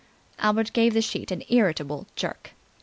Albert gave the sheet an irritable jerk.